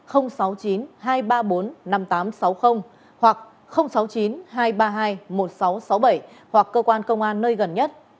sáu mươi chín hai trăm ba mươi bốn năm nghìn tám trăm sáu mươi hoặc sáu mươi chín hai trăm ba mươi hai một nghìn sáu trăm sáu mươi bảy hoặc cơ quan công an nơi gần nhất